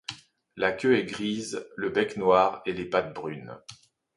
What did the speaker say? La queue est grise, le bec noir et les pattes brunes.